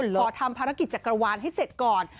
ขอทำภารกิจจักรวาลให้เสร็จก่อน